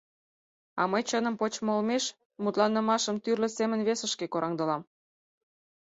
А мый чыным почмо олмеш мутланымашым тӱрлӧ семын весышке кораҥдылам.